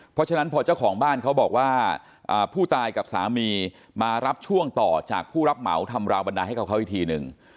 เพราะฉะนั้นพอเจ้าของบ้านเขาบอกว่าผู้ตายกับสามีมารับช่วงต่อจากผู้รับเหมาทำราวบันไดให้กับเขาอีกทีหนึ่ง